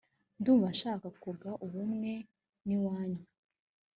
ndumva shaka kuga ubumwe n’ iwanyu